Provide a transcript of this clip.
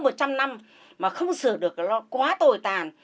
một trăm năm mà không sửa được nó quá tồi tàn